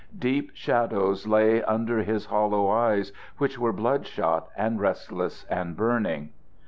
Deep shadows lay under his hollow eyes, which were bloodshot and restless and burning.